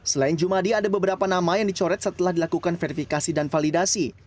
selain jumadi ada beberapa nama yang dicoret setelah dilakukan verifikasi dan validasi